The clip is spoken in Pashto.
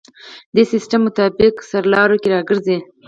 دې سیستم مطابق سرلارو کې راځي.